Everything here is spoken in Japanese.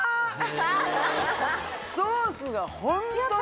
ソースがホントに。